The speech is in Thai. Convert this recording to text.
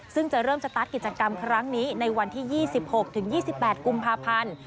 ซึ่งจะเริ่มสตาร์ทกิจกรรมครั้งนี้ในวันที่๒๖๒๘กุมภาพันธ์